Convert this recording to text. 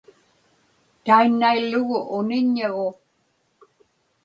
tainnaillugu uniññagu